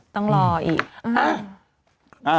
ต้องรอเอง